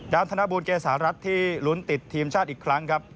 ธนบูลเกษารัฐที่ลุ้นติดทีมชาติอีกครั้งครับ